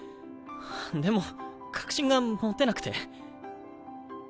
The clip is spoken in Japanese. でも確信が持てなくて。